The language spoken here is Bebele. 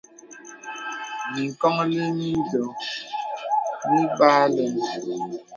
Mǐŋkɔnllī mǐndɔ mibāā alɛ̄n.